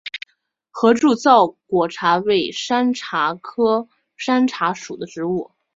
合柱糙果茶为山茶科山茶属的植物。